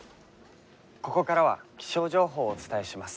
「ここからは気象情報をお伝えします」。